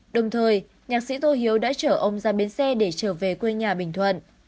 đồng thời nhạc sĩ tô hiếu đã chở ông ra bến xe để trở về quê nhà bình thuận